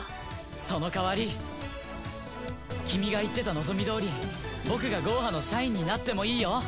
そのかわり君が言ってた望みどおり僕がゴーハの社員になってもいいよ？